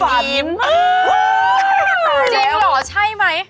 เจฟหรอใช่ไหม